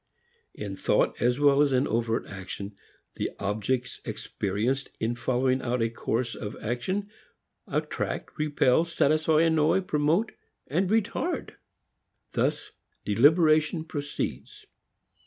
In thought as well as in overt action, the objects experienced in following out a course of action attract, repel, satisfy, annoy, promote and retard. Thus deliberation proceeds.